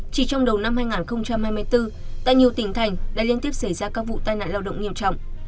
chỉ trong đầu năm hai nghìn hai mươi bốn tại nhiều tỉnh thành đã liên tiếp xảy ra các vụ tai nạn lao động nghiêm trọng